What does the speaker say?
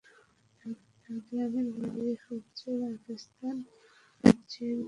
তার গ্রামের বাড়ি হচ্ছে রাজস্থান রাজ্যের বিকানের-এ।